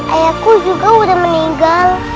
ayahku juga udah meninggal